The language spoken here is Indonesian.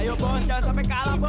ayo mohon jangan sampai kalah bos